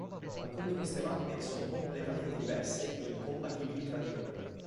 Alcune di queste mappe sono completamente diverse e incompatibili tra di loro.